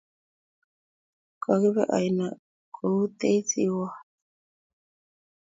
Kokibe aino koutech siiwot